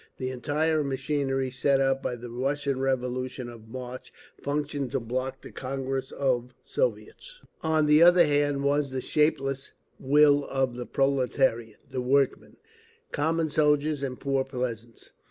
The entire machinery set up by the Russian Revolution of March functioned to block the Congress of Soviets…. See Notes and Explanations. On the other hand was the shapeless will of the proletariat—the workmen, common soldiers and poor peasants.